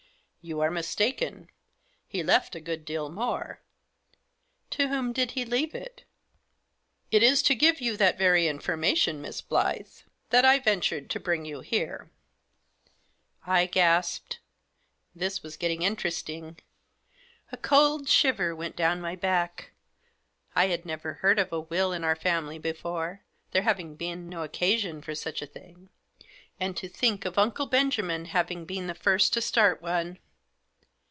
" You are mistaken ; he left a good deal more." " To whom did he leave it ?"" It is to give you that very information, Miss Blyth, that I ventured to bring you here." I gasped. This was getting interesting. A cold shiver went down my back. I had never heard of a will in our family before, there having been no occasion for such a thing. And to think of Uncle Benjamin having been the first to start one